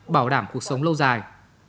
bảo đảm cuộc sống lâu dài